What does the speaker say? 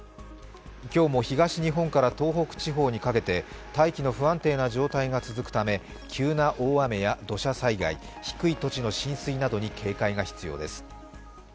今日も東日本から東北地方にかけて大気の不安定な状態が続くため、急な大雨や土砂災害、低い土地の浸水などに警戒が必要です。